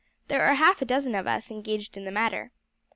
There are half a dozen of us engaged in the matter.